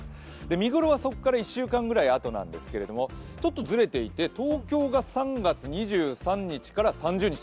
見ごろはそこから１週間ぐらいあとなんですけれども、ちょっとずれていて、東京が３月２３日から３０日。